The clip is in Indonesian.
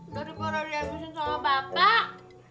dari para dianggur sama bapak